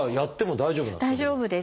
大丈夫です。